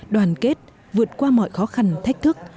đoàn kết vượt qua mọi khó khăn thách thức